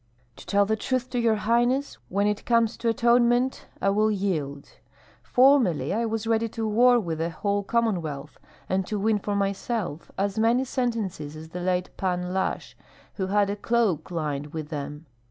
"To tell the truth to your highness, when it comes to atonement I will yield. Formerly I was ready to war with the whole Commonwealth, and to win for myself as many sentences as the late Pan Lashch, who had a cloak lined with them.